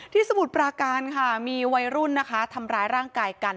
สมุทรปราการค่ะมีวัยรุ่นนะคะทำร้ายร่างกายกัน